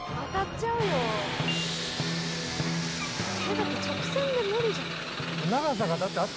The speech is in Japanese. だって直線で無理じゃない？